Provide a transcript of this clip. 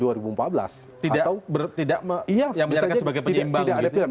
yang menjelaskan sebagai penyimbang